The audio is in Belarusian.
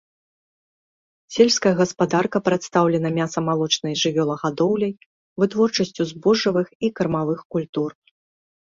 Сельская гаспадарка прадстаўлена мяса-малочнай жывёлагадоўляй, вытворчасцю збожжавых і кармавых культур.